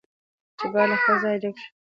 جبار له خپل ځايه جګ شو.